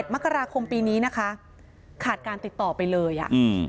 มกราคมปีนี้นะคะขาดการติดต่อไปเลย